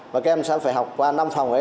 và các em sẽ phải học qua năm phòng ấy